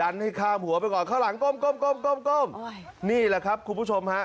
นี่แหละครับคุณผู้ชมนะครับ